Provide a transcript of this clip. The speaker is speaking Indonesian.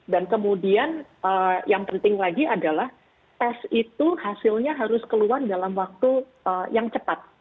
kemudian yang penting lagi adalah tes itu hasilnya harus keluar dalam waktu yang cepat